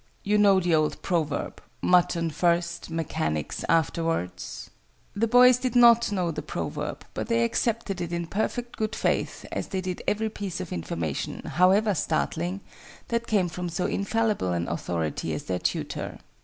"You know the old proverb 'Mutton first, mechanics afterwards'?" The boys did not know the proverb, but they accepted it in perfect good faith, as they did every piece of information, however startling, that came from so infallible an authority as their tutor.